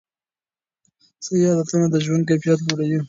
صحي عادتونه د ژوند کیفیت لوړوي.